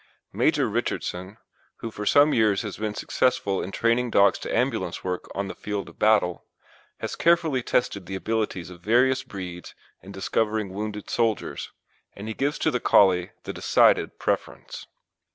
Major Richardson, who for some years has been successful in training dogs to ambulance work on the field of battle, has carefully tested the abilities of various breeds in discovering wounded soldiers, and he gives to the Collie the decided preference.